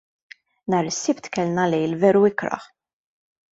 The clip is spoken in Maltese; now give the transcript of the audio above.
Nhar is-Sibt kellna lejl veru ikrah.